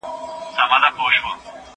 پاکوالي د زهشوم له خوا ساتل کيږي!؟